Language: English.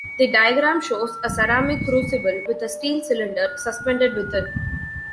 The diagram shows a ceramic crucible with a steel cylinder suspended within.